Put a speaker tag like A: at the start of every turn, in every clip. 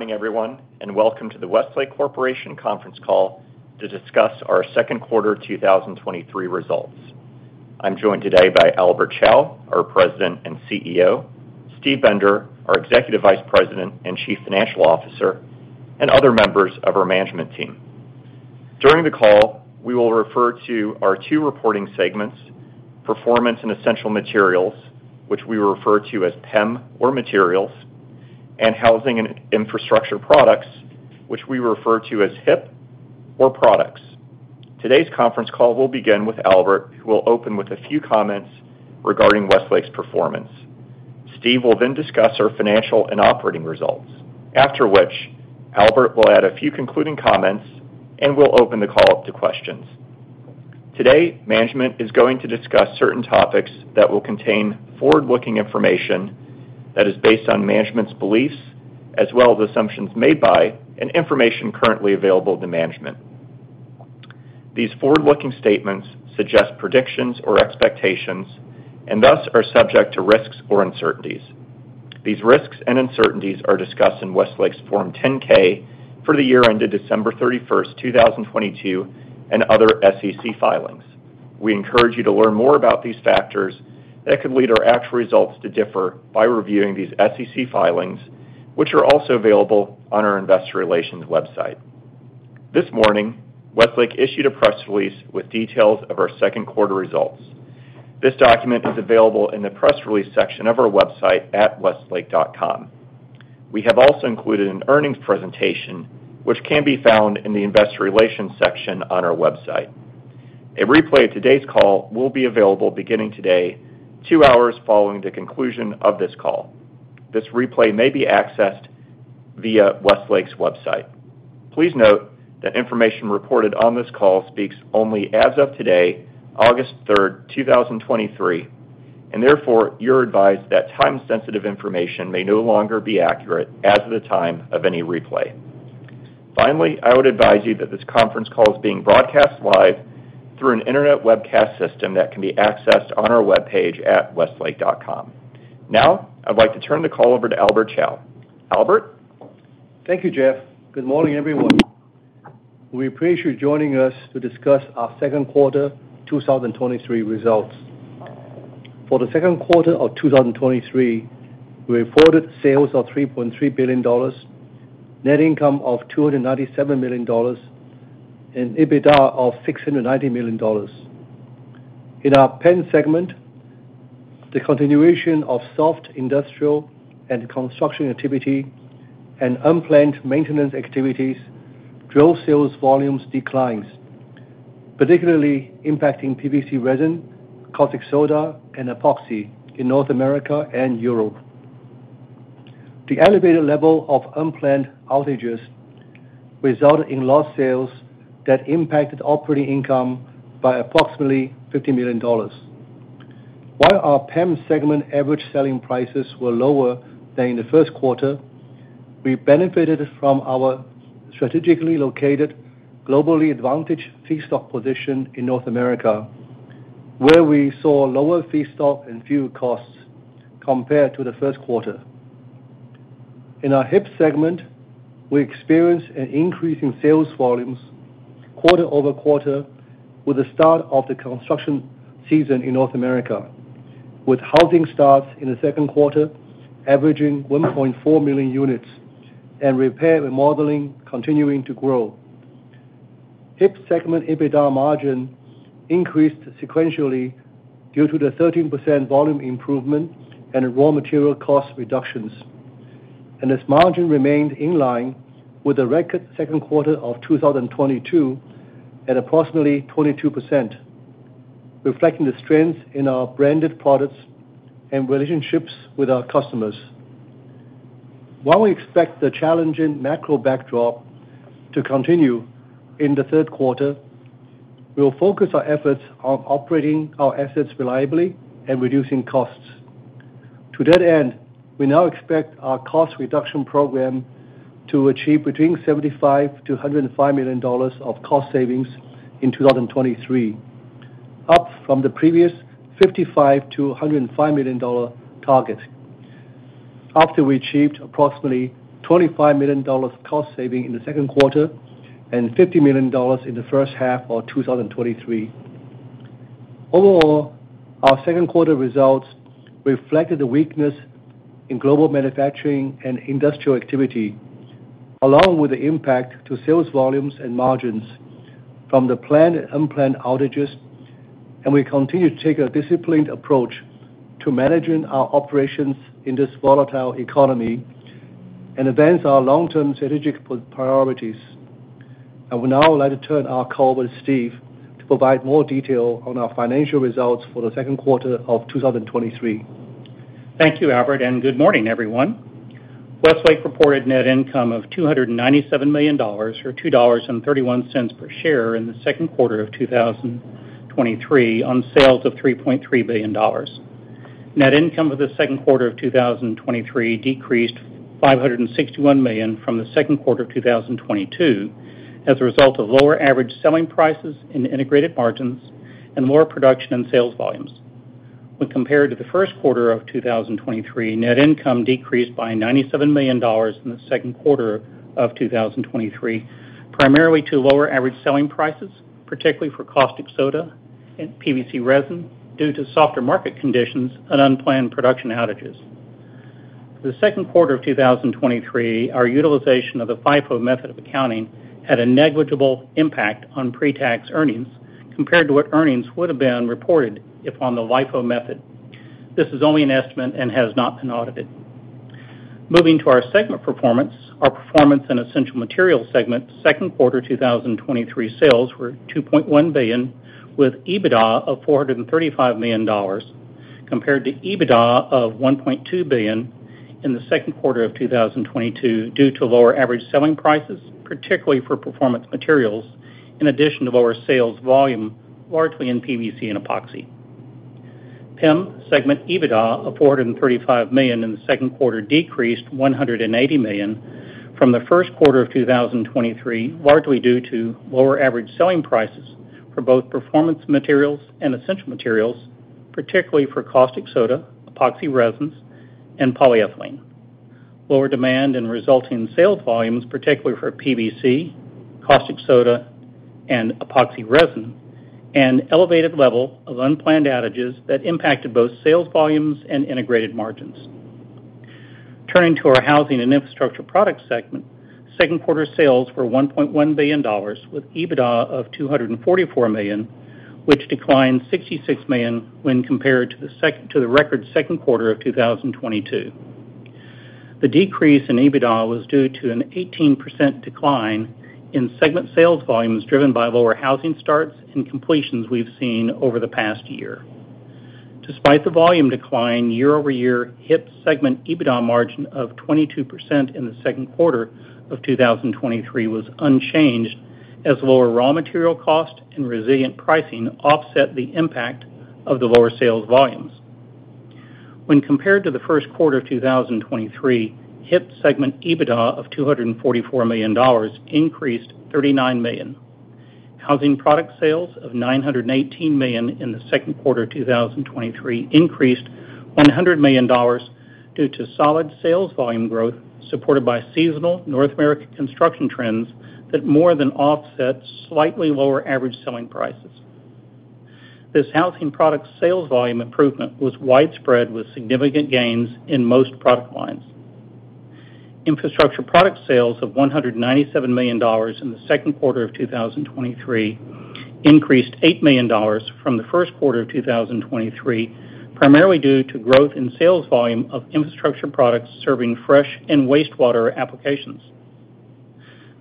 A: Good morning, everyone, welcome to the Westlake Corporation conference call to discuss our second quarter 2023 results. I'm joined today by Albert Chao, our President and CEO, Steve Bender, our Executive Vice President and Chief Financial Officer, and other members of our management team. During the call, we will refer to our two reporting segments, Performance and Essential Materials, which we refer to as PEM or Materials, and Housing and Infrastructure Products, which we refer to as HIP or Products. Today's conference call will begin with Albert, who will open with a few comments regarding Westlake's performance. Steve will then discuss our financial and operating results, after which Albert will add a few concluding comments, and we'll open the call up to questions. Today, management is going to discuss certain topics that will contain forward-looking information that is based on management's beliefs, as well as assumptions made by and information currently available to management. These forward-looking statements suggest predictions or expectations, and thus are subject to risks or uncertainties. These risks and uncertainties are discussed in Westlake's Form 10-K for the year ended December 31st, 2022, and other SEC filings. We encourage you to learn more about these factors that could lead our actual results to differ by reviewing these SEC filings, which are also available on our investor relations website. This morning, Westlake issued a press release with details of our second quarter results. This document is available in the press release section of our website at westlake.com. We have also included an earnings presentation, which can be found in the Investor Relations section on our website. A replay of today's call will be available beginning today, two hours following the conclusion of this call. This replay may be accessed via Westlake's website. Please note that information reported on this call speaks only as of today, August 3, 2023, and therefore, you're advised that time-sensitive information may no longer be accurate as of the time of any replay. Finally, I would advise you that this conference call is being broadcast live through an internet webcast system that can be accessed on our webpage at westlake.com. Now, I'd like to turn the call over to Albert Chao. Albert?
B: Thank you, Jeff. Good morning, everyone. We appreciate you joining us to discuss our second quarter 2023 results. For the second quarter of 2023, we reported sales of $3.3 billion, net income of $297 million, and EBITDA of $690 million. In our PEM segment, the continuation of soft industrial and construction activity and unplanned maintenance activities drove sales volumes declines, particularly impacting PVC resin, caustic soda, and epoxy in North America and Europe. The elevated level of unplanned outages resulted in lost sales that impacted operating income by approximately $50 million. While our PEM segment average selling prices were lower than in the first quarter, we benefited from our strategically located, globally advantaged feedstock position in North America, where we saw lower feedstock and fuel costs compared to the first quarter. In our HIP segment, we experienced an increase in sales volumes quarter-over-quarter with the start of the construction season in North America, with housing starts in the second quarter averaging 1.4 million units and repair and remodeling continuing to grow. HIP segment EBITDA margin increased sequentially due to the 13% volume improvement and raw material cost reductions, and its margin remained in line with the record second quarter of 2022 at approximately 22%, reflecting the strength in our branded products and relationships with our customers. While we expect the challenging macro backdrop to continue in the third quarter, we will focus our efforts on operating our assets reliably and reducing costs. To that end, we now expect our cost reduction program to achieve between $75 million-$105 million of cost savings in 2023, up from the previous $55 million-$105 million target, after we achieved approximately $25 million cost saving in the second quarter and $50 million in the first half of 2023. Overall, our second quarter results reflected the weakness in global manufacturing and industrial activity, along with the impact to sales volumes and margins from the planned and unplanned outages. We continue to take a disciplined approach to managing our operations in this volatile economy and advance our long-term strategic priorities. I would now like to turn our call with Steve to provide more detail on our financial results for the second quarter of 2023.
C: Thank you, Albert. Good morning, everyone. Westlake reported net income of $297 million, or $2.31 per share in the second quarter of 2023 on sales of $3.3 billion. Net income for the second quarter of 2023 decreased $561 million from the second quarter of 2022 as a result of lower average selling prices in integrated margins and lower production and sales volumes. When compared to the first quarter of 2023, net income decreased by $97 million in the second quarter of 2023, primarily to lower average selling prices, particularly for caustic soda and PVC resin, due to softer market conditions and unplanned production outages. For the second quarter of 2023, our utilization of the FIFO method of accounting had a negligible impact on pre-tax earnings compared to what earnings would have been reported if on the LIFO method. This is only an estimate and has not been audited. Moving to our segment performance, our Performance and Essential Materials segment, second quarter 2023 sales were $2.1 billion, with EBITDA of $435 million, compared to EBITDA of $1.2 billion in the second quarter of 2022, due to lower average selling prices, particularly for performance materials, in addition to lower sales volume, largely in PVC and epoxy. PEM segment EBITDA of $435 million in the second quarter decreased $180 million from the first quarter of 2023, largely due to lower average selling prices for both performance materials and essential materials, particularly for caustic soda, epoxy resins, and polyethylene. Lower demand and resulting in sales volumes, particularly for PVC, caustic soda, and epoxy resin, and elevated level of unplanned outages that impacted both sales volumes and integrated margins. Turning to our Housing and Infrastructure Products segment, second quarter sales were $1.1 billion, with EBITDA of $244 million, which declined $66 million when compared to the to the record second quarter of 2022. The decrease in EBITDA was due to an 18% decline in segment sales volumes, driven by lower housing starts and completions we've seen over the past year. Despite the volume decline, year-over-year HIP segment EBITDA margin of 22% in the second quarter of 2023 was unchanged, as lower raw material costs and resilient pricing offset the impact of the lower sales volumes. When compared to the first quarter of 2023, HIP segment EBITDA of $244 million increased $39 million. Housing product sales of $918 million in the second quarter of 2023 increased $100 million due to solid sales volume growth, supported by seasonal North American construction trends that more than offset slightly lower average selling prices. This housing product sales volume improvement was widespread, with significant gains in most product lines. Infrastructure product sales of $197 million in the second quarter of 2023 increased $8 million from the first quarter of 2023, primarily due to growth in sales volume of infrastructure products serving fresh and wastewater applications.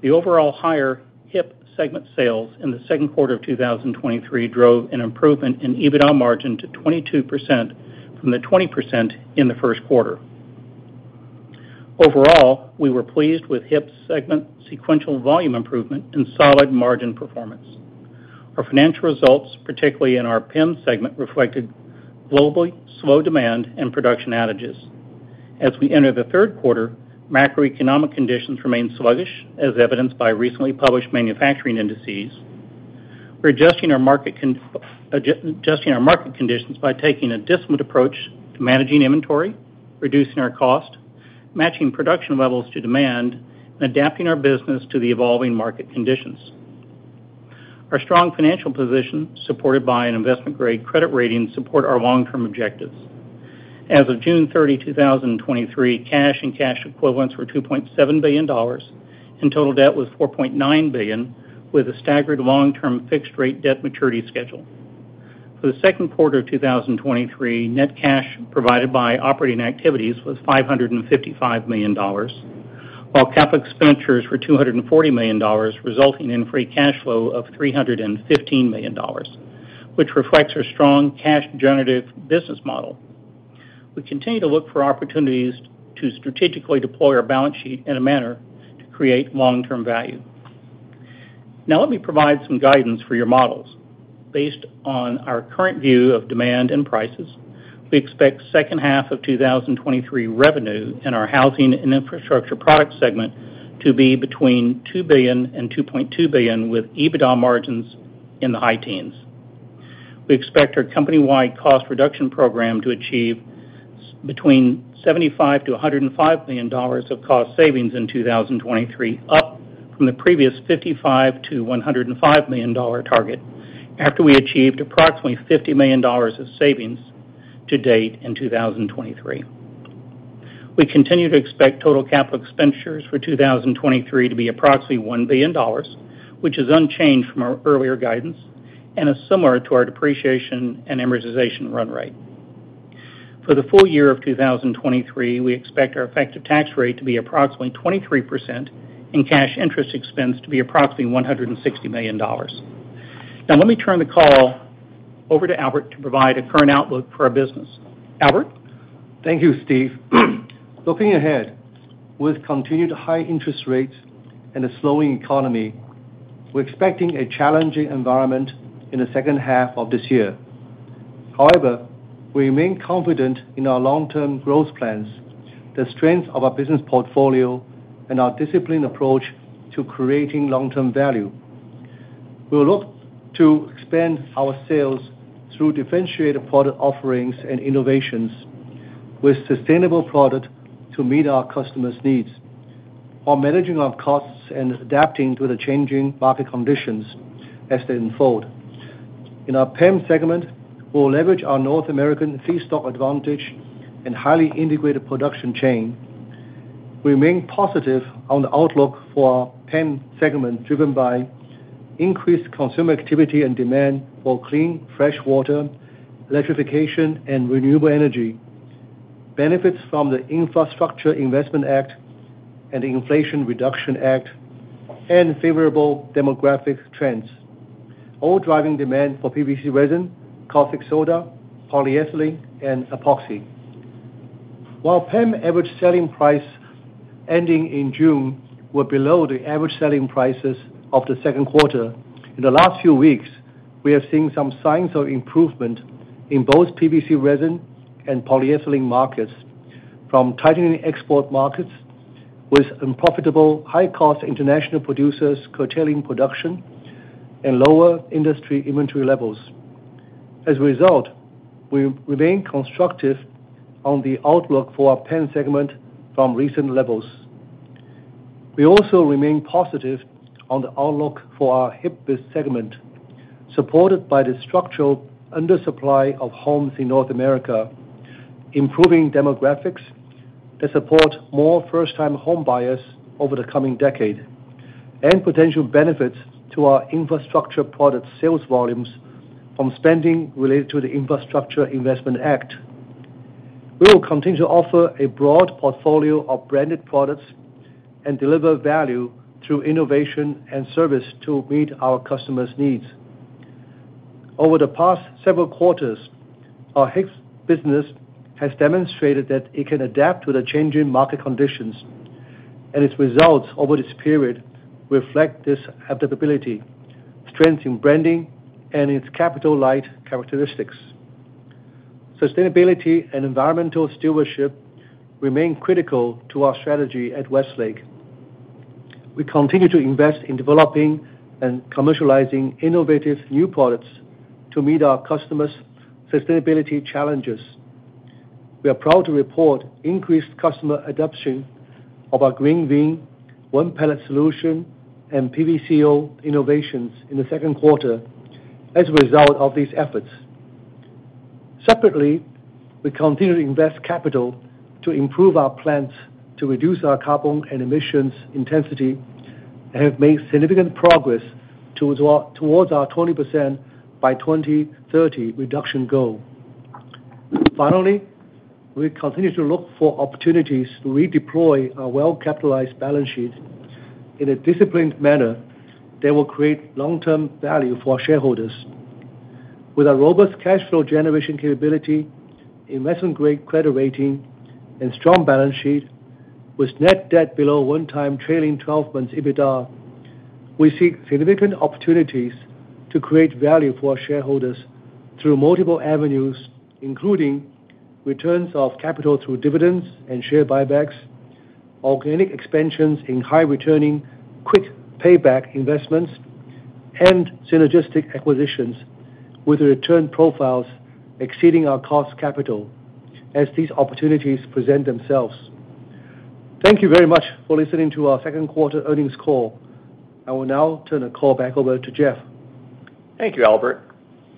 C: The overall higher HIP segment sales in the second quarter of 2023 drove an improvement in EBITDA margin to 22% from the 20% in the first quarter. Overall, we were pleased with HIP segment sequential volume improvement and solid margin performance. Our financial results, particularly in our PEM segment, reflected globally slow demand and production outages. As we enter the third quarter, macroeconomic conditions remain sluggish, as evidenced by recently published manufacturing indices. We're adjusting our market conditions by taking a disciplined approach to managing inventory, reducing our cost, matching production levels to demand, and adapting our business to the evolving market conditions. Our strong financial position, supported by an investment-grade credit rating, support our long-term objectives. As of June 30, 2023, cash and cash equivalents were $2.7 billion, and total debt was $4.9 billion, with a staggered long-term fixed rate debt maturity schedule. For the second quarter of 2023, net cash provided by operating activities was $555 million, while CapEx expenditures were $240 million, resulting in free cash flow of $315 million, which reflects our strong cash generative business model. We continue to look for opportunities to strategically deploy our balance sheet in a manner to create long-term value. Let me provide some guidance for your models. Based on our current view of demand and prices, we expect second half of 2023 revenue in our Housing and Infrastructure Products segment to be between $2 billion and $2.2 billion, with EBITDA margins in the high teens. We expect our company-wide cost reduction program to achieve between $75 million-$105 million of cost savings in 2023, up from the previous $55 million-$105 million target, after we achieved approximately $50 million of savings to date in 2023. We continue to expect total capital expenditures for 2023 to be approximately $1 billion, which is unchanged from our earlier guidance and is similar to our depreciation and amortization run rate. For the full year of 2023, we expect our effective tax rate to be approximately 23%, and cash interest expense to be approximately $160 million. Let me turn the call over to Albert to provide a current outlook for our business. Albert?
B: Thank you, Steve. Looking ahead, with continued high interest rates and a slowing economy, we're expecting a challenging environment in the second half of this year. However, we remain confident in our long-term growth plans, the strength of our business portfolio, and our disciplined approach to creating long-term value. We will look to expand our sales through differentiated product offerings and innovations with sustainable product to meet our customers' needs, while managing our costs and adapting to the changing market conditions as they unfold. In our PEM segment, we'll leverage our North American feedstock advantage and highly integrated production chain. Remain positive on the outlook for our PEM segment, driven by increased consumer activity and demand for clean, fresh water, electrification, and renewable energy, benefits from the Infrastructure Investment Act and the Inflation Reduction Act, and favorable demographic trends, all driving demand for PVC resin, caustic soda, polyethylene, and epoxy. While PEM average selling price ending in June were below the average selling prices of the second quarter, in the last few weeks, we have seen some signs of improvement in both PVC resin and polyethylene markets from tightening export markets, with unprofitable, high-cost international producers curtailing production and lower industry inventory levels. As a result, we remain constructive on the outlook for our PEM segment from recent levels. We also remain positive on the outlook for our HIP segment, supported by the structural undersupply of homes in North America, improving demographics that support more first-time home buyers over the coming decade, and potential benefits to our infrastructure product sales volumes from spending related to the Infrastructure Investment Act. We will continue to offer a broad portfolio of branded products and deliver value through innovation and service to meet our customers' needs. Over the past several quarters, our HIP business has demonstrated that it can adapt to the changing market conditions, and its results over this period reflect this adaptability, strength in branding, and its capital-light characteristics. Sustainability and environmental stewardship remain critical to our strategy at Westlake. We continue to invest in developing and commercializing innovative new products to meet our customers' sustainability challenges. We are proud to report increased customer adoption of our GreenVin, One-Pellet Solution, and PVC-O innovations in the second quarter as a result of these efforts. Separately, we continue to invest capital to improve our plants, to reduce our carbon and emissions intensity, and have made significant progress towards our 20% by 2030 reduction goal. Finally, we continue to look for opportunities to redeploy our well-capitalized balance sheet in a disciplined manner that will create long-term value for our shareholders. With our robust cash flow generation capability, investment-grade credit rating, and strong balance sheet, with net debt below one time trailing 12 months EBITDA, we see significant opportunities to create value for our shareholders through multiple avenues, including returns of capital through dividends and share buybacks, organic expansions in high-returning, quick payback investments, and synergistic acquisitions, with the return profiles exceeding our cost capital as these opportunities present themselves. Thank you very much for listening to our second quarter earnings call. I will now turn the call back over to Jeff.
A: Thank you, Albert.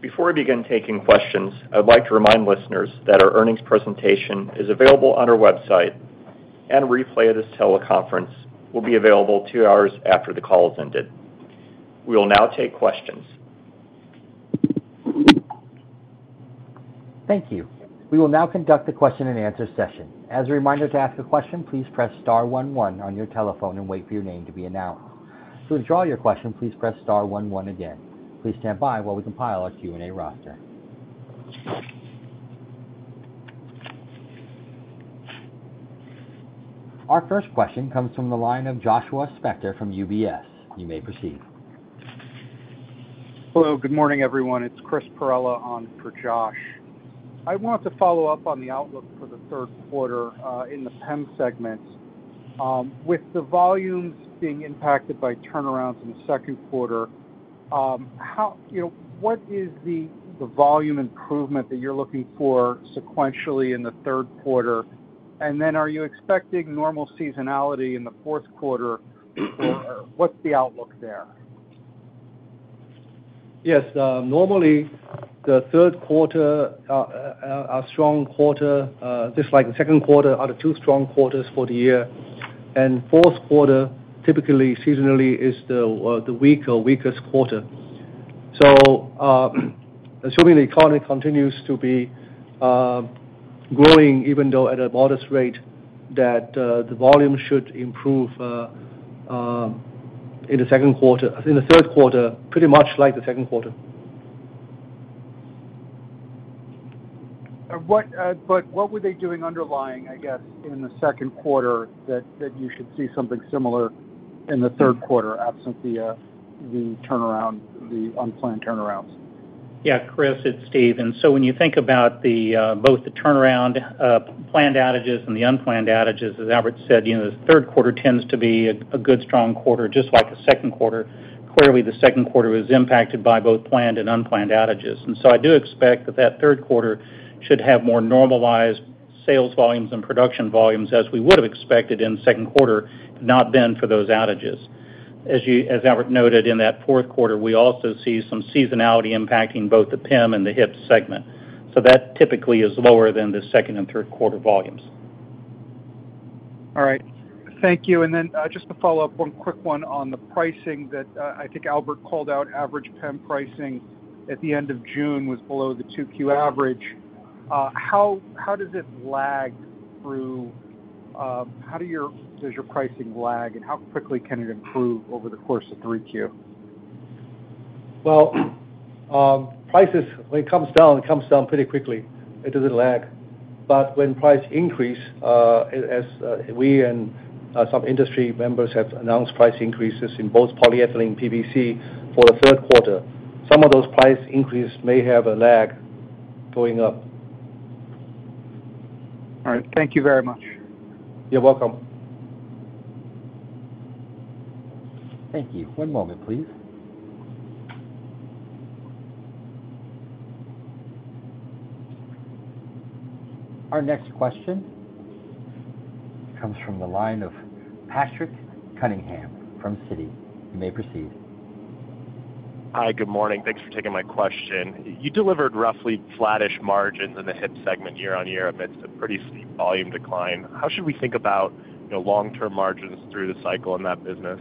A: Before we begin taking questions, I'd like to remind listeners that our earnings presentation is available on our website, and a replay of this teleconference will be available two hours after the call has ended. We will now take questions.
D: Thank you. We will now conduct the question-and-answer session. As a reminder, to ask a question, please press star one, one on your telephone and wait for your name to be announced. To withdraw your question, please press star one, one again. Please stand by while we compile our Q&A roster. Our first question comes from the line of Joshua Spector from UBS. You may proceed.
E: Hello, good morning, everyone. It's Chris Perrella on for Josh. I want to follow up on the outlook for the third quarter in the PEM segment. With the volumes being impacted by turnarounds in the second quarter, you know, what is the, the volume improvement that you're looking for sequentially in the third quarter? Are you expecting normal seasonality in the fourth quarter, or what's the outlook there?
B: Yes, normally, the third quarter, a strong quarter, just like the second quarter, are the two strong quarters for the year. Fourth quarter, typically, seasonally, is the weak or weakest quarter. Assuming the economy continues to be growing, even though at a modest rate, that the volume should improve in the third quarter, pretty much like the second quarter.
E: What were they doing underlying, I guess, in the second quarter, that you should see something similar in the third quarter, absent the turnaround, the unplanned turnarounds?
C: Yeah, Chris, it's Steve. When you think about the both the turnaround planned outages and the unplanned outages, as Albert said, you know, the third quarter tends to be a good, strong quarter, just like a second quarter. Clearly, the second quarter was impacted by both planned and unplanned outages. I do expect that that third quarter should have more normalized sales volumes and production volumes, as we would have expected in the second quarter, not been for those outages. As Albert noted in that fourth quarter, we also see some seasonality impacting both the PEM and the HIP segment, so that typically is lower than the second and third quarter volumes.
E: All right. Thank you. Then, just to follow up, one quick one on the pricing that, I think Albert called out average PEM pricing at the end of June was below the 2Q average. How, how does it lag through, does your pricing lag, and how quickly can it improve over the course of 3Q?
B: Well, prices, when it comes down, it comes down pretty quickly. It doesn't lag. When price increase, as we and some industry members have announced price increases in both polyethylene PVC for the third quarter, some of those price increases may have a lag going up.
F: All right. Thank you very much.
B: You're welcome.
D: Thank you. One moment, please. Our next question comes from the line of Patrick Cunningham from Citi. You may proceed.
F: Hi, good morning. Thanks for taking my question. You delivered roughly flattish margins in the HIP segment year-on-year, amidst a pretty steep volume decline. How should we think about, you know, long-term margins through the cycle in that business?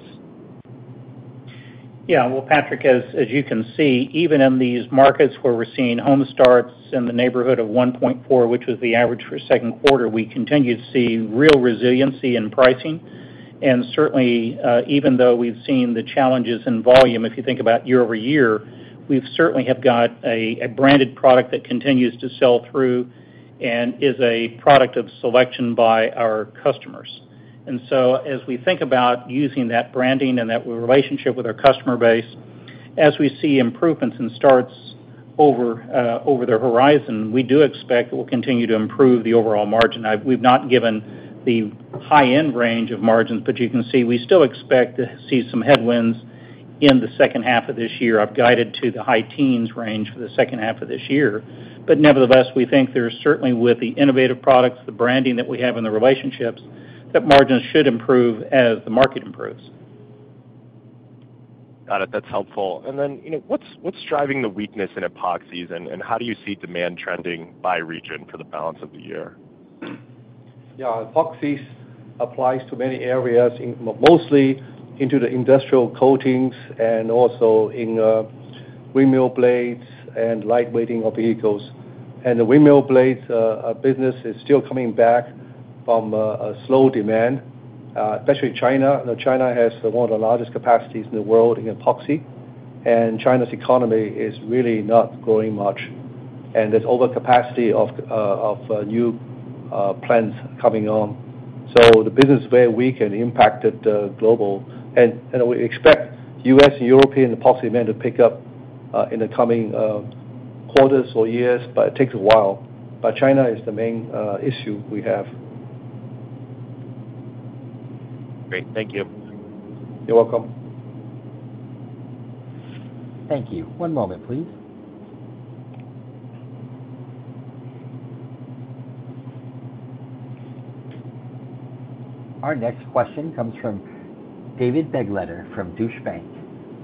C: Yeah. Well, Patrick, as, as you can see, even in these markets where we're seeing home starts in the neighborhood of 1.4, which was the average for second quarter, we continue to see real resiliency in pricing. Certainly, even though we've seen the challenges in volume, if you think about year-over-year, we've certainly have got a, a branded product that continues to sell through and is a product of selection by our customers. As we think about using that branding and that relationship with our customer base, as we see improvements in starts over, over the horizon, we do expect it will continue to improve the overall margin. I've, we've not given the high-end range of margins, but you can see we still expect to see some headwinds in the second half of this year. I've guided to the high teens range for the second half of this year. Nevertheless, we think there's certainly, with the innovative products, the branding that we have, and the relationships, that margins should improve as the market improves.
F: Got it. That's helpful. Then, you know, what's driving the weakness in epoxies, and how do you see demand trending by region for the balance of the year?
B: Yeah, epoxies applies to many areas, mostly into the industrial coatings and also in windmill blades and lightweighting of vehicles. The windmill blades business is still coming back from a slow demand, especially China. China has one of the largest capacities in the world in epoxy, and China's economy is really not growing much, and there's overcapacity of new plants coming on. The business is very weak and impacted global. We expect U.S. and European epoxy demand to pick up in the coming quarters or years, but it takes a while. China is the main issue we have.
F: Great. Thank you.
B: You're welcome.
D: Thank you. One moment, please. Our next question comes from David Begleiter from Deutsche Bank.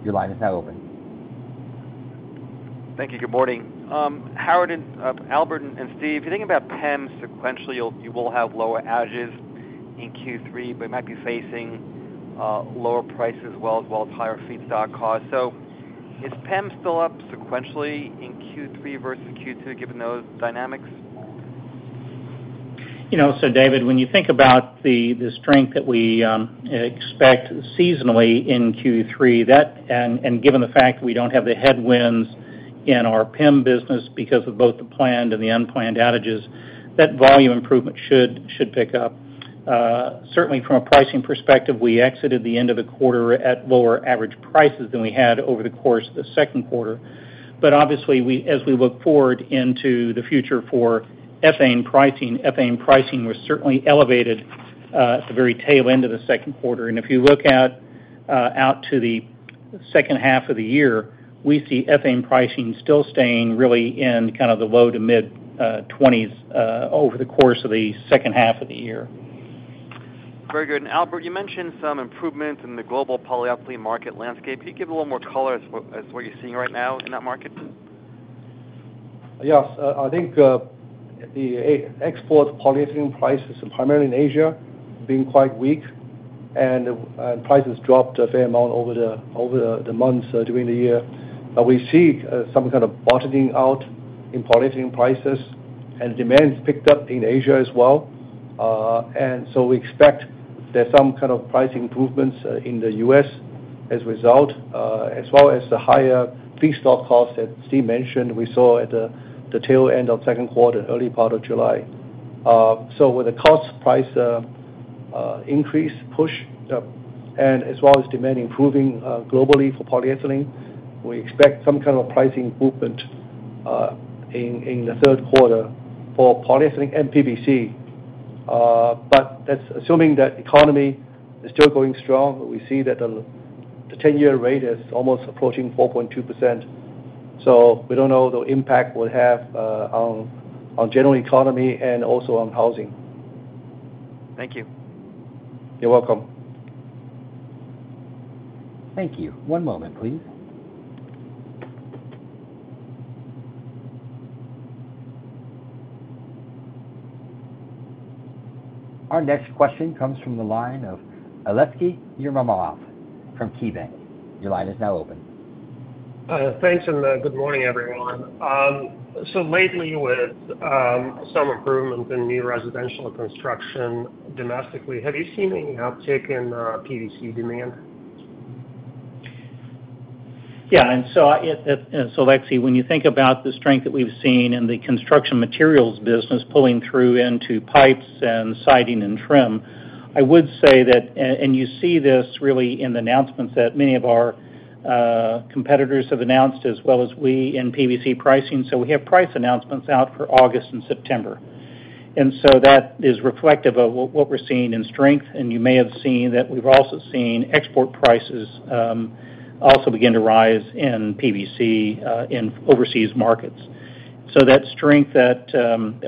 D: Your line is now open.
G: Thank you. Good morning. Howard and Albert and Steve, if you think about PEM sequentially, you'll, you will have lower outages in Q3, but you might be facing lower prices as well, as well as higher feedstock costs. Is PEM still up sequentially in Q3 versus Q2, given those dynamics?
C: You know, David, when you think about the strength that we expect seasonally in Q3, given the fact that we don't have the headwinds in our PEM business because of both the planned and the unplanned outages, that volume improvement should pick up. Certainly from a pricing perspective, we exited the end of the quarter at lower average prices than we had over the course of the second quarter. Obviously, as we look forward into the future for ethane pricing, ethane pricing was certainly elevated at the very tail end of the second quarter. If you look out to the second half of the year, we see ethane pricing still staying really in kind of the low-to-mid $20s over the course of the second half of the year.
G: Very good. Albert, you mentioned some improvement in the global polyethylene market landscape. Can you give a little more color as what you're seeing right now in that market?
B: Yes. I think the export polyethylene prices, primarily in Asia, have been quite weak, and prices dropped a fair amount over the, over the, the months during the year. We see some kind of bottoming out in polyethylene prices, and demand has picked up in Asia as well. We expect there's some kind of price improvements in the US as a result, as well as the higher feedstock costs that Steve mentioned, we saw at the, the tail end of second quarter, early part of July. With the cost price increase, push, and as well as demand improving globally for polyethylene. We expect some kind of pricing movement in, in the third quarter for polyethylene and PVC. That's assuming that economy is still going strong, but we see that the ten-year rate is almost approaching 4.2%, so we don't know the impact it will have on general economy and also on housing.
D: Thank you.
B: You're welcome.
D: Thank you. One moment, please. Our next question comes from the line of Aleksey Yefremov from KeyBanc. Your line is now open.
H: Thanks, good morning, everyone. Lately, with some improvements in new residential construction domestically, have you seen any uptick in PVC demand?
C: Yeah, so Aleksey, when you think about the strength that we've seen in the construction materials business pulling through into pipes and siding and trim, I would say that, and you see this really in the announcements that many of our competitors have announced, as well as we in PVC pricing. We have price announcements out for August and September. That is reflective of what, what we're seeing in strength, and you may have seen that we've also seen export prices also begin to rise in PVC in overseas markets. That strength that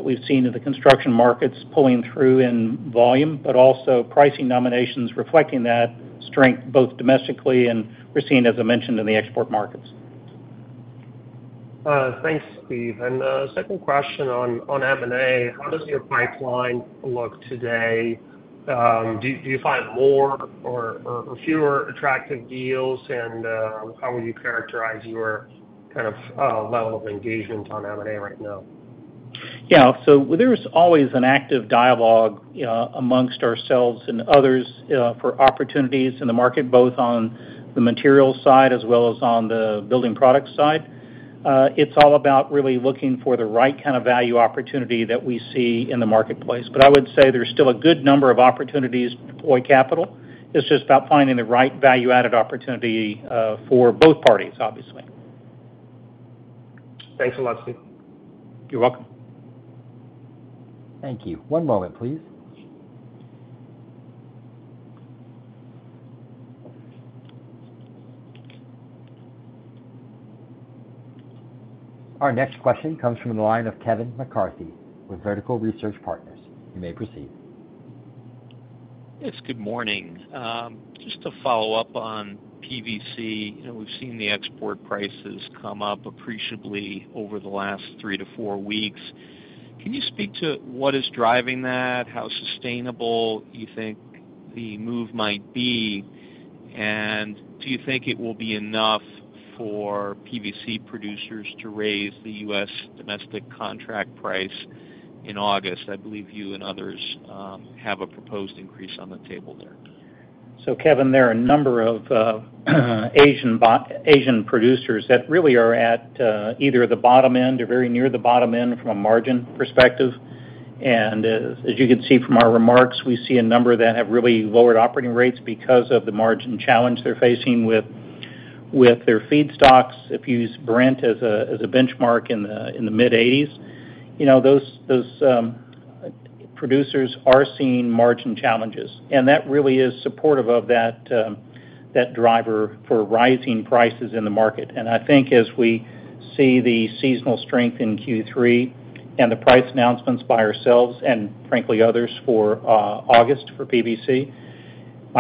C: we've seen in the construction markets pulling through in volume, but also pricing nominations reflecting that strength, both domestically and we're seeing, as I mentioned, in the export markets.
H: Thanks, Steve. Second question on, on M&A. How does your pipeline look today? Do, do you find more or, or, or fewer attractive deals, and, how would you characterize your kind of, level of engagement on M&A right now?
C: There is always an active dialogue amongst ourselves and others for opportunities in the market, both on the materials side as well as on the building products side. It's all about really looking for the right kind of value opportunity that we see in the marketplace. I would say there's still a good number of opportunities to deploy capital. It's just about finding the right value-added opportunity for both parties, obviously.
H: Thanks a lot, Steve.
C: You're welcome.
D: Thank you. One moment, please. Our next question comes from the line of Kevin McCarthy with Vertical Research Partners. You may proceed.
I: Yes, good morning. Just to follow up on PVC, you know, we've seen the export prices come up appreciably over the last three to four weeks. Can you speak to what is driving that, how sustainable you think the move might be? Do you think it will be enough for PVC producers to raise the U.S. domestic contract price in August? I believe you and others have a proposed increase on the table there.
C: Kevin, there are a number of Asian producers that really are at either the bottom end or very near the bottom end from a margin perspective. As, as you can see from our remarks, we see a number of them have really lowered operating rates because of the margin challenge they're facing with, with their feedstocks. If you use Brent as a benchmark in the mid-$80s, you know, those, those producers are seeing margin challenges, and that really is supportive of that driver for rising prices in the market. I think as we see the seasonal strength in Q3 and the price announcements by ourselves and frankly others, for August for PVC, my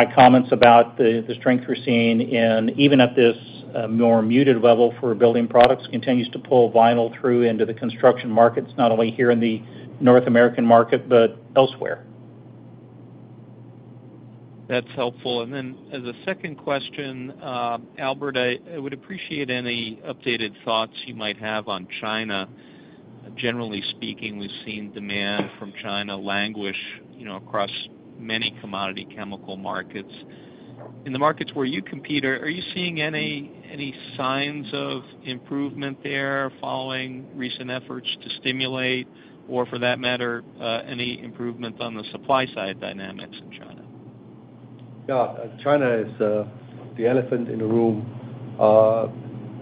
C: comments about the, the strength we're seeing in even at this more muted level for building products, continues to pull vinyl through into the construction markets, not only here in the North American market, but elsewhere.
I: That's helpful. Then as a second question, Albert, I, I would appreciate any updated thoughts you might have on China. Generally speaking, we've seen demand from China languish, you know, across many commodity chemical markets. In the markets where you compete, are, are you seeing any, any signs of improvement there following recent efforts to stimulate, or for that matter, any improvement on the supply side dynamics in China?
B: Yeah, China is the elephant in the room.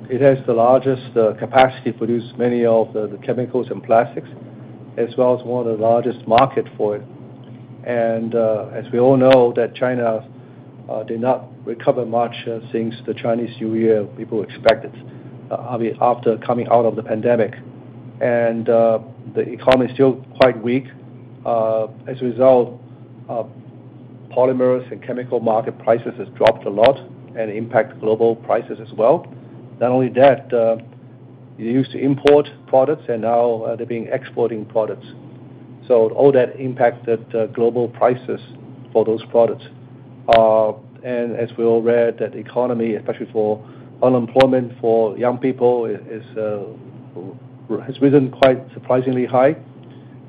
B: It has the largest capacity to produce many of the chemicals and plastics, as well as one of the largest market for it. As we all know, that China did not recover much since the Chinese New Year, people expected after coming out of the pandemic. The economy is still quite weak. As a result, polymers and chemical market prices has dropped a lot and impact global prices as well. Not only that, they used to import products, and now they're being exporting products. All that impacted global prices for those products. As we all read, that the economy, especially for unemployment, for young people, is has risen quite surprisingly high.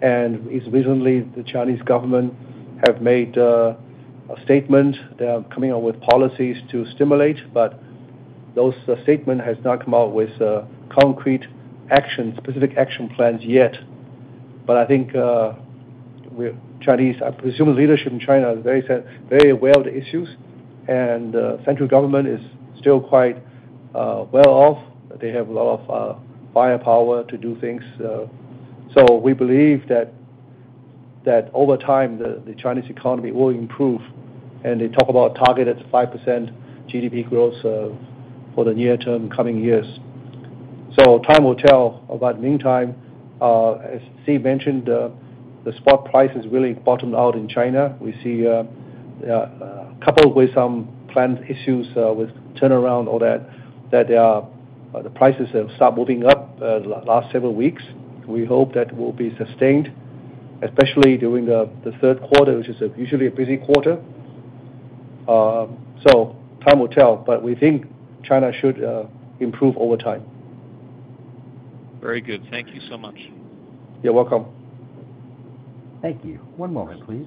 B: It's recently, the Chinese government have made a statement. They are coming out with policies to stimulate, but those statement has not come out with concrete action, specific action plans yet. I think Chinese, I presume leadership in China is very aware of the issues, and central government is still quite well off. They have a lot of firepower to do things. We believe that, that over time, the Chinese economy will improve, and they talk about targeted 5% GDP growth for the near term coming years. Time will tell, but meantime, as Steve mentioned, the spot price has really bottomed out in China. We see, coupled with some plant issues, with turnaround or that, that, the prices have stopped moving up last several weeks. We hope that will be sustained, especially during the, the third quarter, which is usually a busy quarter. Time will tell, but we think China should improve over time.
G: Very good. Thank you so much.
B: You're welcome.
D: Thank you. One moment, please.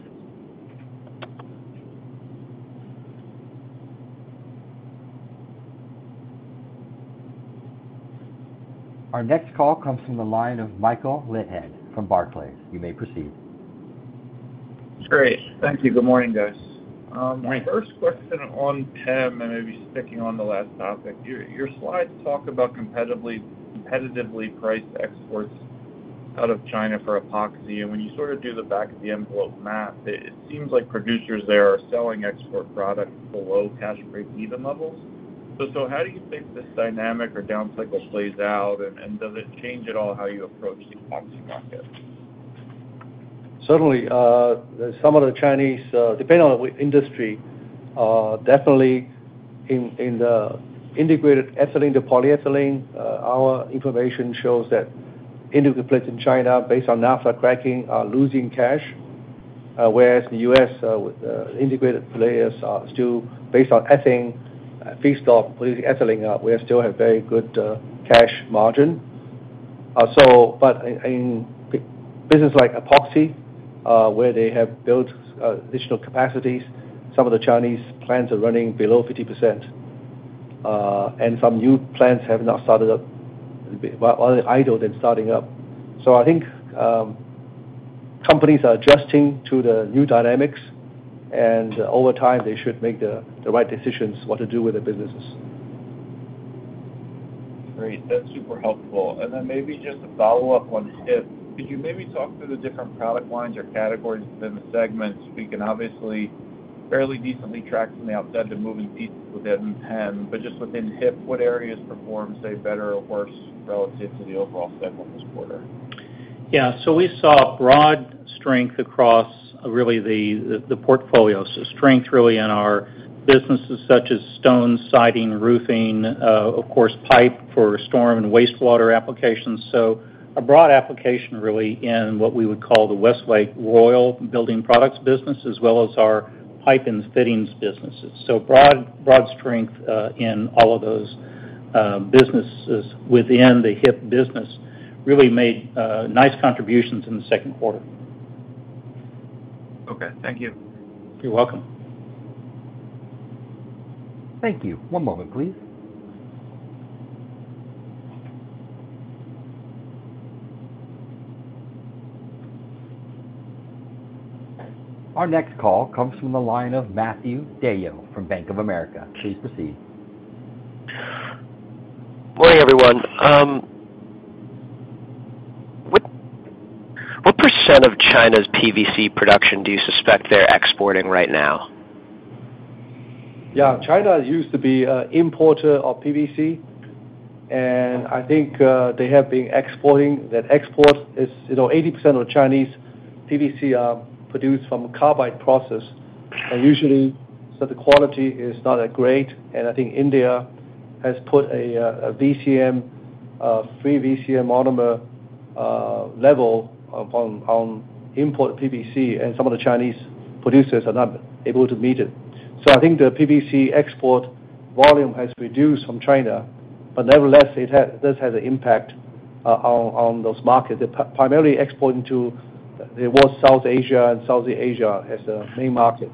D: Our next call comes from the line of Michael Leithead from Barclays. You may proceed.
J: Great. Thank you. Good morning, guys.
B: Mike.
J: My first question on PEM, and maybe sticking on the last topic, your, your slides talk about competitively, competitively priced exports out of China for Epoxy. When you sort of do the back of the envelope math, it, it seems like producers there are selling export product below cash break even levels. How do you think this dynamic or down cycle plays out, and, and does it change at all, how you approach the Epoxy market?
B: Certainly, some of the Chinese, depending on what industry, definitely in, in the integrated ethylene to polyethylene, our information shows that integrated plants in China, based on Naphtha cracking, are losing cash. Whereas the U.S. integrated players are still based on ethane feedstock ethylene, we still have very good cash margin. But in business like Epoxy, where they have built additional capacities, some of the Chinese plants are running below 50%, and some new plants have not started up, but are idle than starting up. I think, companies are adjusting to the new dynamics, and over time, they should make the, the right decisions, what to do with their businesses.
J: Great. That's super helpful. Then maybe just to follow up on HIP, could you maybe talk through the different product lines or categories within the segments? We can obviously fairly decently track from the outside, the moving pieces within PEM, but just within HIP, what areas perform, say, better or worse relative to the overall segment this quarter?
C: Yeah. We saw broad strength across really the, the, the portfolio. Strength really in our businesses, such as stone, siding, roofing, of course, pipe for storm and wastewater applications. A broad application, really, in what we would call the Westlake Royal Building Products business, as well as our pipe and fittings businesses. Broad, broad strength in all of those businesses within the HIP business, really made nice contributions in the second quarter.
J: Okay. Thank you.
C: You're welcome.
D: Thank you. One moment, please. Our next call comes from the line of Matthew DeYoe from Bank of America. Please proceed.
K: Morning, everyone. What, what % of China's PVC production do you suspect they're exporting right now?
B: Yeah, China used to be a importer of PVC. I think they have been exporting. That export is, you know, 80% of Chinese PVC are produced from calcium carbide process, and usually, so the quality is not that great. I think India has put a VCM, a free VCM monomer, level upon on import PVC, and some of the Chinese producers are not able to meet it. I think the PVC export volume has reduced from China, but nevertheless, it does have an impact on, on those markets. They're primarily exporting to towards South Asia, and South Asia as a main market.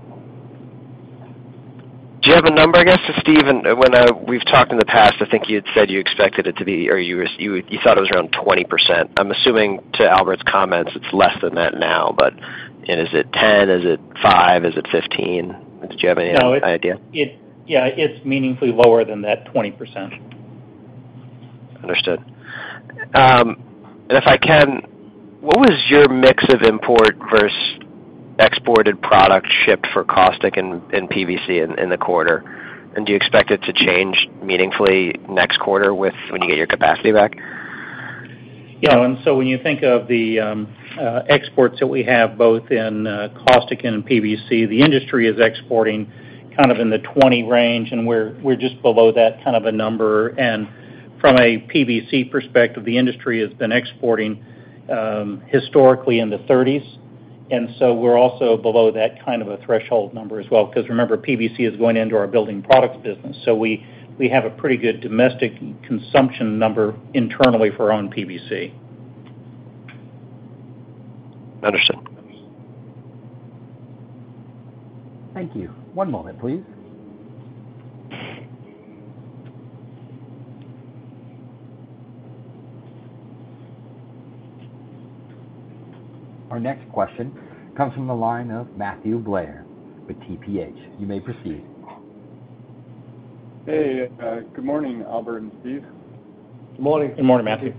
K: Do you have a number, I guess, to Steve? When we've talked in the past, I think you had said you expected it to be or you thought it was around 20%. I'm assuming to Albert's comments, it's less than that now. Is it 10? Is it five? Is it 15? Do you have any idea?
C: No, Yeah, it's meaningfully lower than that 20%.
K: Understood. If I can, what was your mix of import versus exported products shipped for caustic and PVC in the quarter? Do you expect it to change meaningfully next quarter with when you get your capacity back?
C: Yeah. When you think of the exports that we have, both in caustic and PVC, the industry is exporting kind of in the 20 range, and we're, we're just below that kind of a number. From a PVC perspective, the industry has been exporting historically in the 30s, we're also below that kind of a threshold number as well, because, remember, PVC is going into our building products business, so we, we have a pretty good domestic consumption number internally for our own PVC.
K: Understood.
D: Thank you. One moment, please. Our next question comes from the line of Matthew Blair with TPH. You may proceed.
L: Hey, good morning, Albert and Steve.
B: Good morning.
C: Good morning, Matthew.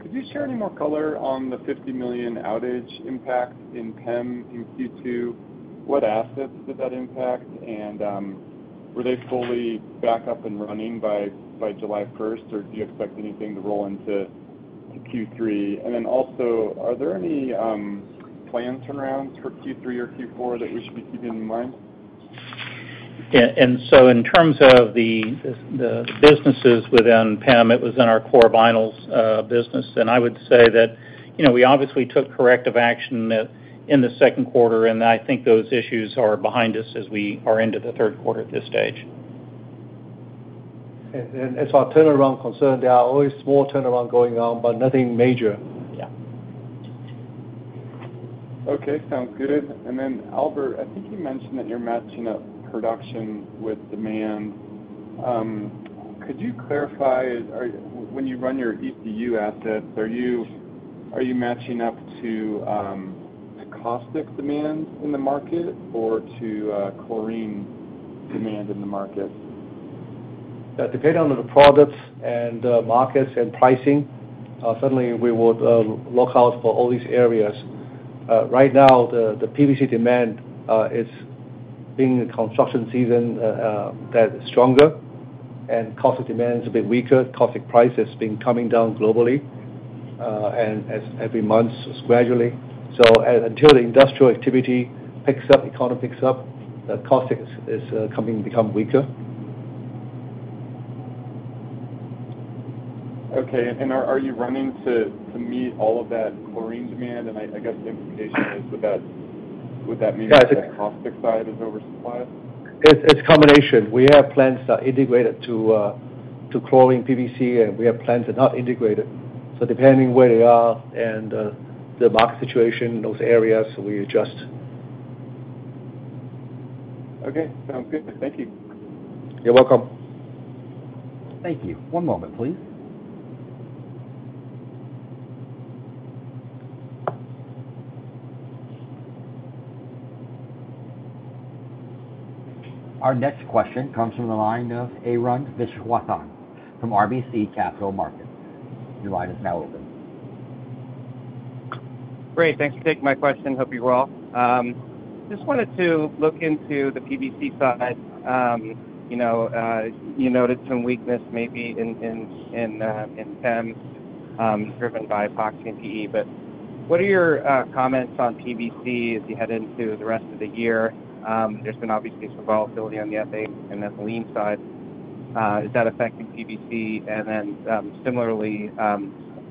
L: Could you share any more color on the $50 million outage impact in PEM in Q2? What assets did that impact? Were they fully back up and running by, by July 1st, or do you expect anything to roll into Q3? Also, are there any planned turnarounds for Q3 or Q4 that we should be keeping in mind?
C: Yeah, so in terms of the, the, the businesses within PEM, it was in our core vinyls business. I would say that, you know, we obviously took corrective action that in the second quarter, and I think those issues are behind us as we are into the third quarter at this stage.
B: As far as turnaround concerned, there are always small turnaround going on, but nothing major.
C: Yeah.
L: Okay, sounds good. Albert, I think you mentioned that you're matching up production with demand. Could you clarify, when you run your ECU assets, are you matching up to the caustic demand in the market or to chlorine demand in the market?
B: Depending on the products and markets and pricing, certainly we would look out for all these areas. Right now, the PVC demand is being a construction season that is stronger and caustic demand is a bit weaker. Caustic price has been coming down globally and as every month, gradually. As until the industrial activity picks up, economy picks up, the caustic is coming to become weaker.
L: Okay. Are, are you running to, to meet all of that chlorine demand? I, I guess the implication is, would that, would that mean-
B: Yeah.
L: That the caustic side is oversupplied?
B: It's, it's combination. We have plants that are integrated to, to chlorine PVC, and we have plants that are not integrated. Depending where they are and the market situation in those areas, we adjust.
L: Okay, sounds good. Thank you.
B: You're welcome.
D: Thank you. One moment, please. Our next question comes from the line of Arun Viswanathan from RBC Capital Markets. Your line is now open.
M: Great, thank you for taking my question. Hope you're well. Just wanted to look into the PVC side. You know, you noted some weakness maybe in PEM, driven by epoxy and PE. What are your comments on PVC as you head into the rest of the year? Is that affecting PVC? Similarly,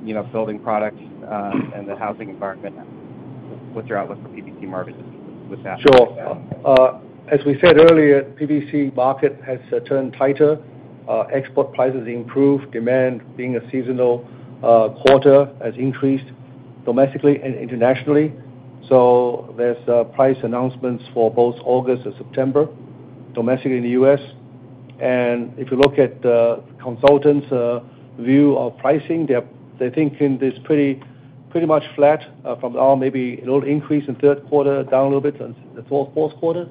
M: you know, building products and the housing environment, what's your outlook for PVC market this, this half?
B: Sure. As we said earlier, PVC market has turned tighter. Export prices improved, demand being a seasonal quarter, has increased domestically and internationally. There's price announcements for both August and September, domestically in the U.S. If you look at the consultants' view of pricing, they think it is pretty, pretty much flat from now, maybe a little increase in third quarter, down a little bit in the fourth quarter.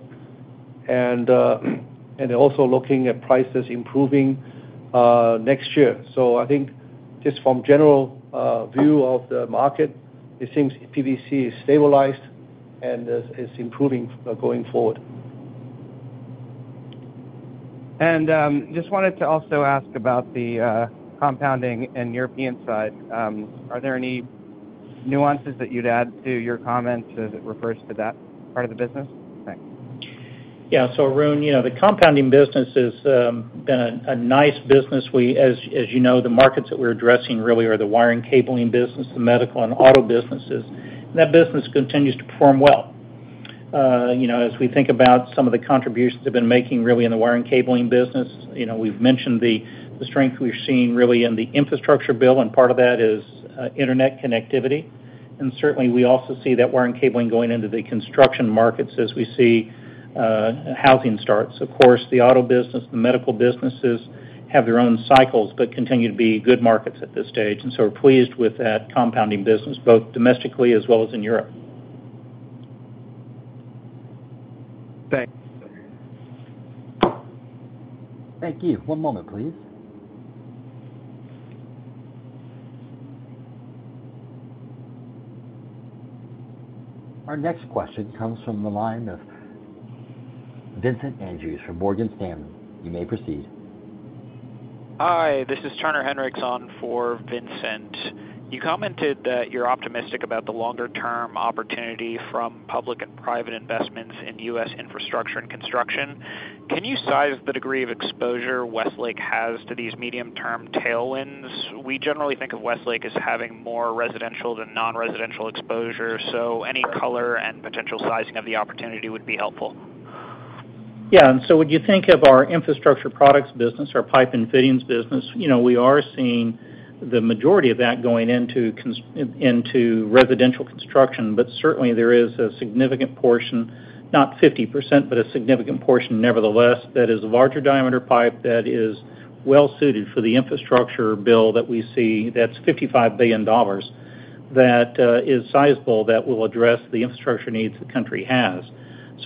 B: They're also looking at prices improving next year. I think just from general view of the market, it seems PVC is stabilized and is improving going forward.
M: Just wanted to also ask about the compounding in European side. Are there any nuances that you'd add to your comments as it refers to that part of the business? Thanks.
C: Yeah. Arun, you know, the compounding business has been a nice business. We, as, as you know, the markets that we're addressing really are the wiring cabling business, the medical and auto businesses. That business continues to perform well. You know, as we think about some of the contributions they've been making really in the wiring cabling business, you know, we've mentioned the, the strength we've seen really in the infrastructure bill, and part of that is internet connectivity. Certainly, we also see that wiring cabling going into the construction markets as we see housing starts. Of course, the auto business, the medical businesses have their own cycles, but continue to be good markets at this stage, and so we're pleased with that compounding business, both domestically as well as in Europe.
M: Thanks.
D: Thank you. One moment, please. Our next question comes from the line of Vincent Andrews from Morgan Stanley. You may proceed.
N: Hi, this is Turner Hinrichs on for Vincent. You commented that you're optimistic about the longer-term opportunity from public and private investments in U.S. infrastructure and construction. Can you size the degree of exposure Westlake has to these medium-term tailwinds? We generally think of Westlake as having more residential than non-residential exposure, so any color and potential sizing of the opportunity would be helpful.
C: Yeah, when you think of our infrastructure products business, our pipe and fittings business, you know, we are seeing the majority of that going into residential construction. Certainly, there is a significant portion, not 50%, but a significant portion, nevertheless, that is a larger diameter pipe that is well suited for the infrastructure bill that we see. That's $55 billion that is sizable, that will address the infrastructure needs the country has.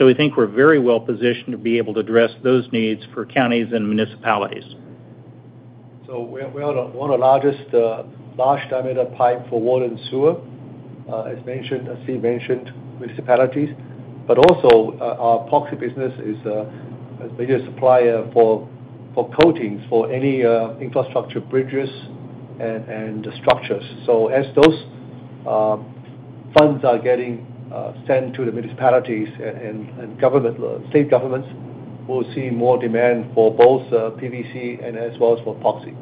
C: We think we're very well positioned to be able to address those needs for counties and municipalities.
B: We are, we are one of the largest, large diameter pipe for water and sewer, as mentioned, as Steve mentioned, municipalities, but also, our, our epoxy business is, a bigger supplier for, for coatings, for any, infrastructure, bridges and, and structures. As those, funds are getting, sent to the municipalities and, and, and government, state governments, we'll see more demand for both, PVC and as well as for epoxy.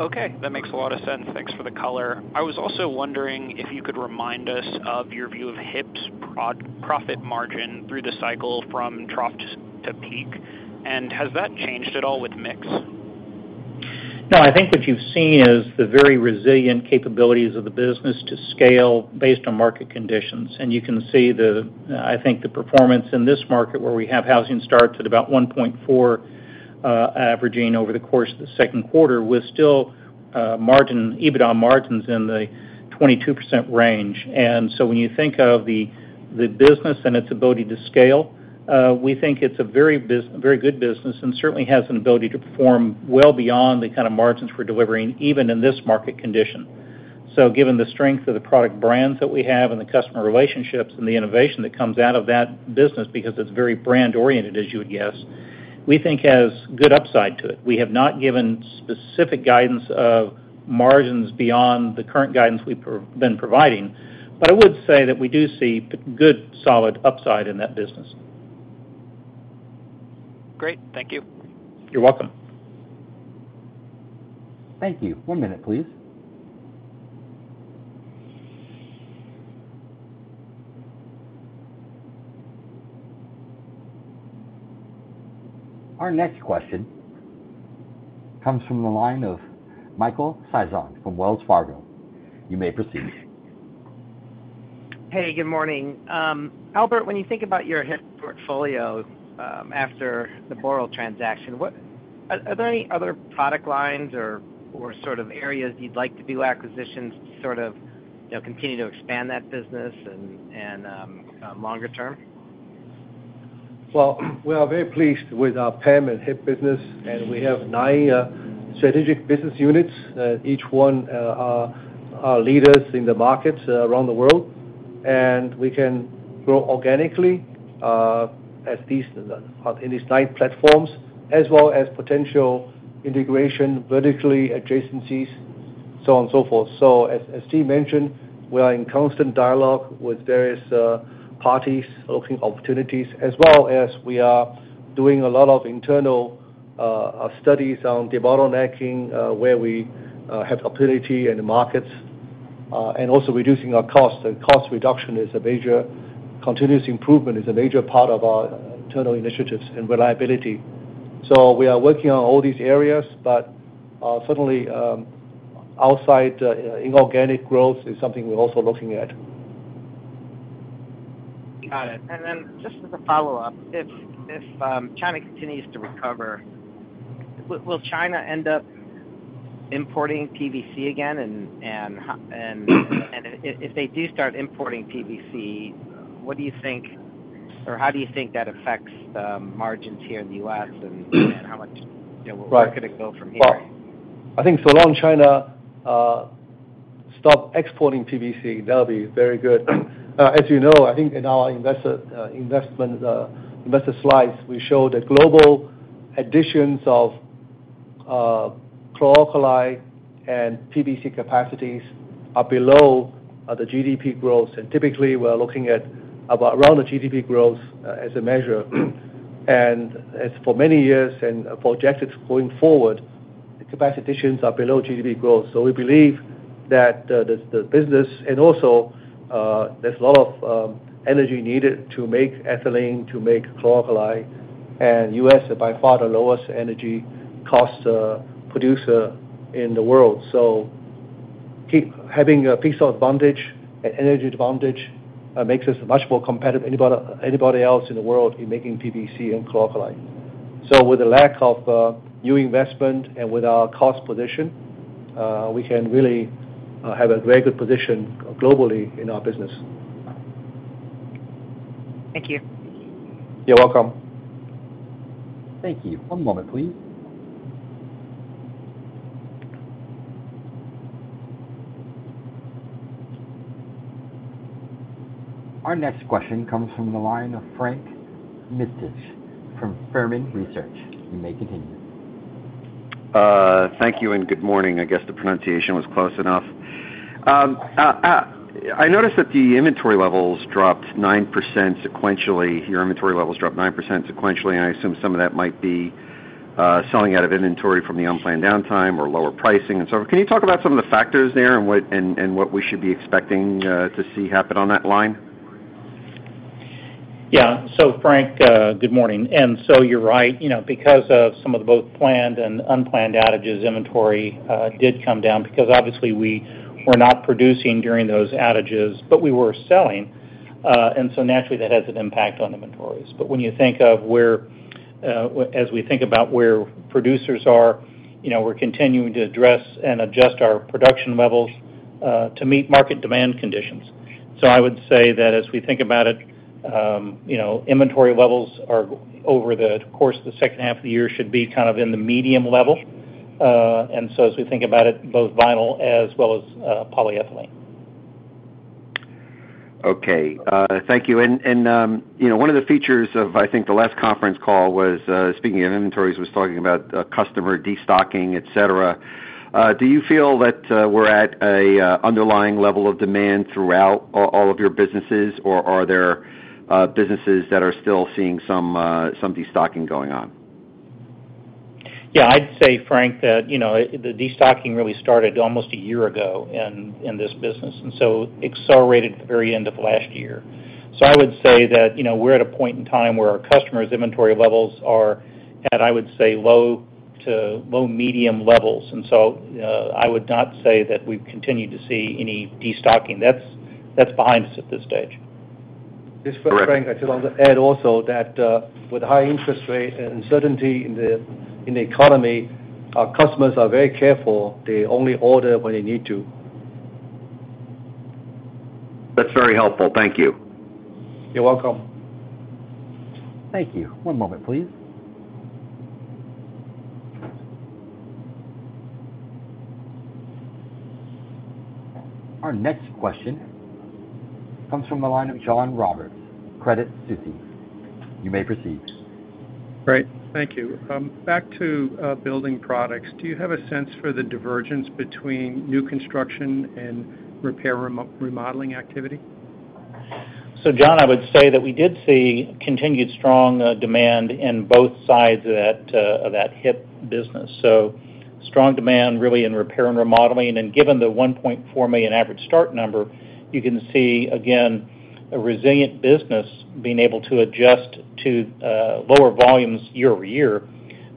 N: Okay, that makes a lot of sense. Thanks for the color. I was also wondering if you could remind us of your view of HIP's profit margin through the cycle from trough to peak, and has that changed at all with mix?
C: No, I think what you've seen is the very resilient capabilities of the business to scale based on market conditions. You can see the, I think, the performance in this market, where we have housing starts at about 1.4 averaging over the course of the second quarter, with still margin, EBITDA margins in the 22% range. When you think of the business and its ability to scale, we think it's a very good business, and certainly has an ability to perform well beyond the kind of margins we're delivering, even in this market condition. Given the strength of the product brands that we have and the customer relationships and the innovation that comes out of that business, because it's very brand oriented, as you would guess, we think has good upside to it. We have not given specific guidance of margins beyond the current guidance we've been providing, but I would say that we do see good, solid upside in that business.
N: Great. Thank you.
C: You're welcome.
D: Thank you. One minute, please. Our next question comes from the line of Michael Sison from Wells Fargo. You may proceed.
O: Hey, good morning. Albert, when you think about your HIP portfolio, after the Boral transaction, are there any other product lines or, or sort of areas you'd like to do acquisitions to sort of, you know, continue to expand that business and, and, longer term?
B: Well, we are very pleased with our PEM and HIP business, and we have nine strategic business units. Each one are leaders in the markets around the world, and we can grow organically as these, in these nine platforms, as well as potential integration, vertically adjacencies, so on and so forth. As Steve mentioned, we are in constant dialogue with various parties, looking opportunities, as well as we are doing a lot of internal studies on debottlenecking, where we have opportunity in the markets, and also reducing our costs. Cost reduction is a major... Continuous improvement is a major part of our internal initiatives and reliability. We are working on all these areas, but certainly, outside, inorganic growth is something we're also looking at.
O: Got it. Then just as a follow-up, if, if China continues to recover, will, will China end up importing PVC again? If, if they do start importing PVC, what do you think or how do you think that affects the margins here in the US, and how much-
B: Right.
O: where could it go from here?
B: Well, I think so long China stop exporting PVC, that'll be very good. As you know, I think in our investor investment investor slides, we show that global additions of chlor-alkali and PVC capacities are below the GDP growth. Typically, we're looking at about around the GDP growth as a measure. As for many years and for objects going forward, the capacity additions are below GDP growth. We believe that the, the, the business and also there's a lot of energy needed to make ethylene, to make chlor-alkali, and U.S. is by far the lowest energy cost producer in the world. Keep having a piece of advantage and energy advantage makes us much more competitive anybody, anybody else in the world in making PVC and chlor-alkali. With the lack of new investment and with our cost position, we can really have a very good position globally in our business.
O: Thank you.
B: You're welcome.
D: Thank you. One moment, please. Our next question comes from the line of Frank Mitsch from Fermium Research. You may continue.
P: Thank you, and good morning. I guess the pronunciation was close enough. I noticed that the inventory levels dropped 9% sequentially. Your inventory levels dropped 9% sequentially, and I assume some of that might be selling out of inventory from the unplanned downtime or lower pricing and so on. Can you talk about some of the factors there, and what we should be expecting to see happen on that line?
C: Yeah. Frank, good morning. You're right, you know, because of some of the both planned and unplanned outages, inventory did come down because obviously we were not producing during those outages, but we were selling. Naturally, that has an impact on inventories. When you think of where, as we think about where producers are, you know, we're continuing to address and adjust our production levels, to meet market demand conditions. I would say that as we think about it, you know, inventory levels are over the course of the second half of the year, should be kind of in the medium level. As we think about it, both vinyl as well as, polyethylene.
P: Okay, thank you. You know, one of the features of, I think, the last conference call was speaking of inventories, was talking about customer destocking, et cetera. Do you feel that we're at an underlying level of demand throughout all of your businesses, or are there businesses that are still seeing some destocking going on?
C: Yeah, I'd say, Frank, that, you know, the destocking really started almost a year ago in, in this business, and so accelerated at the very end of last year. I would say that, you know, we're at a point in time where our customers' inventory levels are at, I would say, low to low medium levels. I would not say that we've continued to see any destocking. That's that's behind us at this stage.
B: This is Frank. I just want to add also that, with high interest rates and uncertainty in the economy, our customers are very careful. They only order when they need to.
P: That's very helpful. Thank you.
B: You're welcome.
D: Thank you. One moment, please. Our next question comes from the line of John Roberts, Credit Suisse. You may proceed.
Q: Great. Thank you. back to building products, do you have a sense for the divergence between new construction and repair, remo- remodeling activity?
C: John, I would say that we did see continued strong demand in both sides of that of that HIP business. Strong demand, really, in repair and remodeling, and given the 1.4 million average start number, you can see, again, a resilient business being able to adjust to lower volumes year-over-year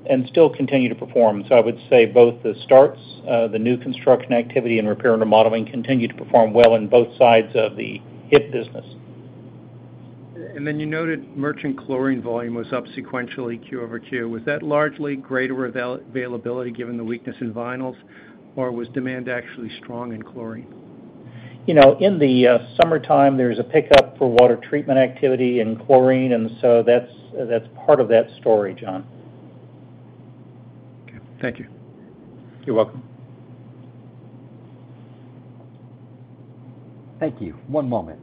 C: and still continue to perform. I would say both the starts, the new construction activity and repair and remodeling continue to perform well in both sides of the HIP business.
Q: Then you noted merchant chlorine volume was up sequentially Q-over-Q. Was that largely greater availability given the weakness in vinyls, or was demand actually strong in chlorine?
C: You know, in the summertime, there's a pickup for water treatment activity in chlorine, that's part of that story, John.
Q: Okay, thank you.
C: You're welcome.
D: Thank you. One moment.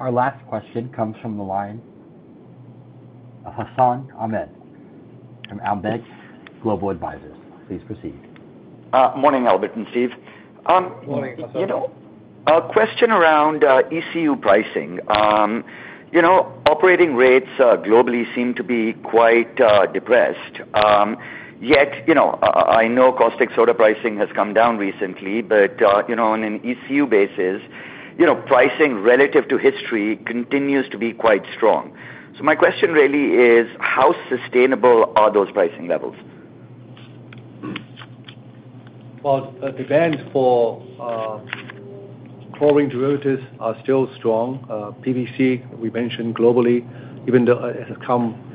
D: Our last question comes from the line of Hassan Ahmed from Alembic Global Advisors. Please proceed.
R: Morning, Albert and Steve.
B: Morning, Hassan.
R: You know, a question around ECU pricing. You know, operating rates globally seem to be quite depressed. Yet, you know, I know caustic soda pricing has come down recently, but, you know, on an ECU basis, you know, pricing relative to history continues to be quite strong. My question really is, how sustainable are those pricing levels?
B: Well, demand for chlorine derivatives are still strong. PVC, we mentioned globally, even though it has come.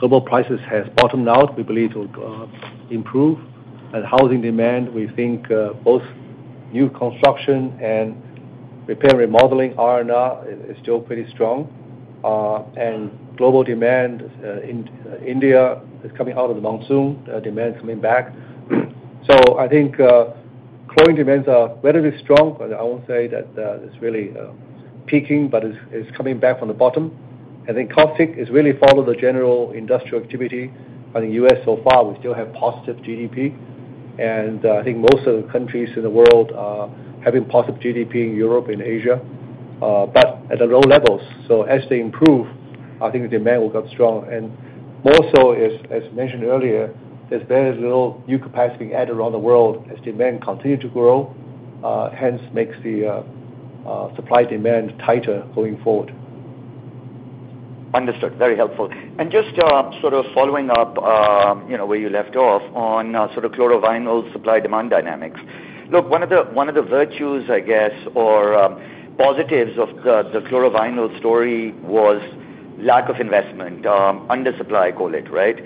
B: Global prices has bottomed out, we believe it will improve. Housing demand, we think, both new construction and repair remodeling, R&R, is still pretty strong. Global demand in India is coming out of the monsoon, demand is coming back. I think chlorine demands are relatively strong, but I won't say that it's really peaking, but it's, it's coming back from the bottom. I think caustic has really followed the general industrial activity. I think U.S. so far, we still have positive GDP, and I think most of the countries in the world are having positive GDP in Europe and Asia, but at the low levels. As they improve, I think the demand will get strong. More so, as, as mentioned earlier, there's very little new capacity added around the world as demand continue to grow, hence, makes the supply/demand tighter going forward.
R: Understood. Very helpful. Just, sort of following up, you know, where you left off on, sort of chlorovinyls supply-demand dynamics. Look, one of the, one of the virtues, I guess, or, positives of the, the chlorovinyls story was lack of investment, under supply, call it, right?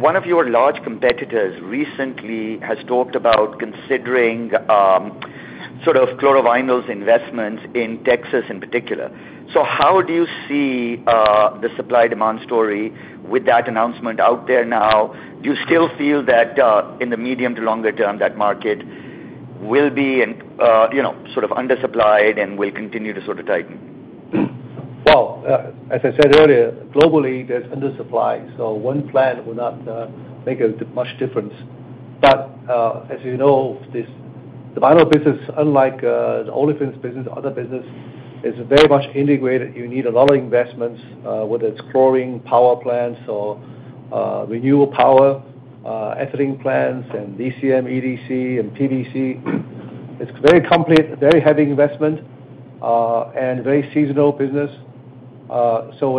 R: One of your large competitors recently has talked about considering, sort of chlorovinyls investment in Texas in particular. How do you see the supply-demand story with that announcement out there now? Do you still feel that in the medium to longer term, that market will be in, you know, sort of undersupplied and will continue to sort of tighten?
B: Well, as I said earlier, globally, there's undersupply, so one plant will not make much difference. As you know, this, the vinyl business, unlike the olefins business, other business, is very much integrated. You need a lot of investments, whether it's chlorine power plants or renewable power, ethylene plants, and VCM, EDC, and PVC. It's very complete, very heavy investment and very seasonal business. We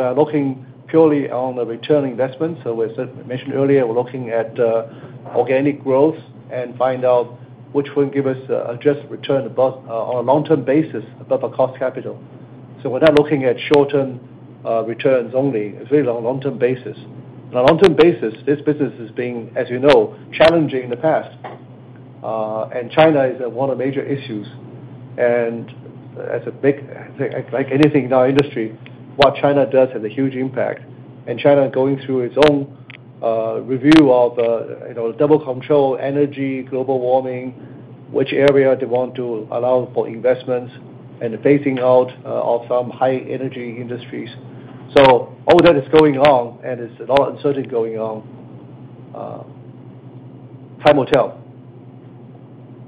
B: are looking purely on the return on investment. As I mentioned earlier, we're looking at organic growth and find out which one give us a just return above on a long-term basis, above our cost capital. We're not looking at short-term returns only. It's very long, long-term basis. On a long-term basis, this business has been, as you know, challenging in the past. China is one of the major issues, and as a big, like anything in our industry, what China does has a huge impact. China going through its own review of, you know, dual control, energy, global warming, which area they want to allow for investments and the phasing out of some high-energy industries. All that is going on, and it's a lot of uncertainty going on. Time will tell.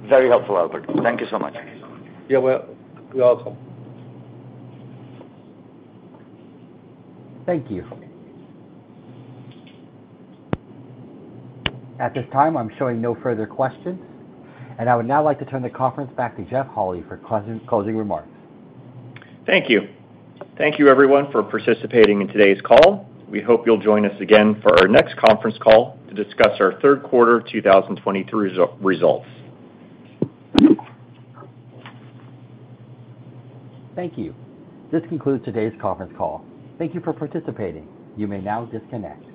R: Very helpful, Albert. Thank you so much.
B: You're you're welcome.
D: Thank you. At this time, I'm showing no further questions. I would now like to turn the conference back to Jeff Hawley for closing remarks.
A: Thank you. Thank you everyone for participating in today's call. We hope you'll join us again for our next conference call to discuss our third quarter 2023 results.
D: Thank you. This concludes today's conference call. Thank you for participating. You may now disconnect.